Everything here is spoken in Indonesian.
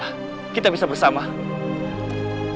aku akan menang